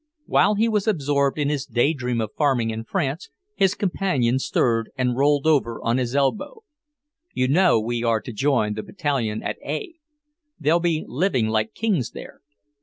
While he was absorbed in his day dream of farming in France, his companion stirred and rolled over on his elbow. "You know we are to join the Battalion at A . They'll be living like kings there.